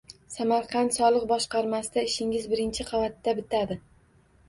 Samarqand soliq boshqarmasida ishingiz birinchi qavatda bitadi